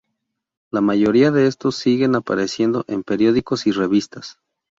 La mayoría de estos siguen apareciendo en periódicos y revistas.